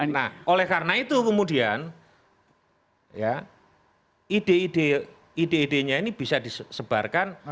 nah oleh karena itu kemudian ide idenya ini bisa disebarkan